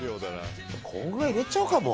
こんぐらい入れちゃおうか。